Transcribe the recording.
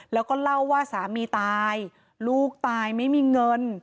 แล้วก็เล่าว่าสามีตายลูกตายไม่มีเงิน